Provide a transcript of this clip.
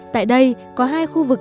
tại đây có hai khu vực